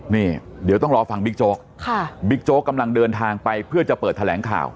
นี่เดี๋ยวต้องรอฟังบิ๊กโจ๊กบิ๊กโจ๊กกำลังเดินทางไปเพื่อจะเปิดแถลงข่าว